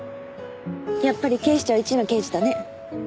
やっぱり警視庁一の刑事だね。